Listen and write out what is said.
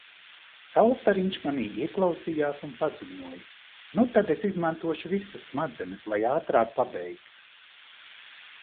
Saulstariņš manī ieklausījās un paziņoja:" Nu tad es izmantošu visas smadzenes, lai ātrāk pabeigtu."